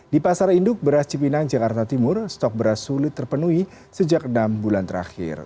di pasar induk beras cipinang jakarta timur stok beras sulit terpenuhi sejak enam bulan terakhir